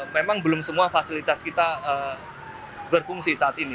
memang belum semua fasilitas kita berfungsi saat ini